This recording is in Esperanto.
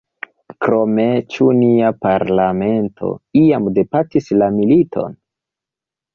Krome: ĉu nia parlamento iam debatis la militon?